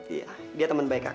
iya dia temen baik kakak